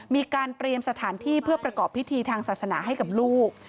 มีการเตรียมสถานที่เพื่อประกอบพิธีทางศาสนาให้กับลูก